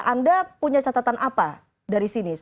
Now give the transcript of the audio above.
anda punya catatan apa dari sini